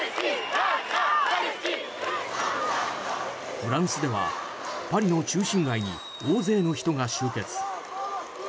フランスではパリの中心街に大勢の人が集結。